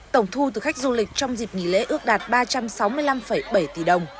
tổng thu từ khách du lịch trong dịp nghỉ lễ ước đạt ba trăm sáu mươi năm bảy tỷ đồng